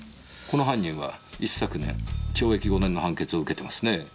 この犯人は一昨年懲役５年の判決を受けてますね。